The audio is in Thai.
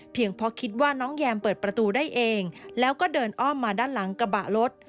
เพราะคิดว่าน้องแยมเปิดประตูได้เองแล้วก็เดินอ้อมมาด้านหลังกระบะรถ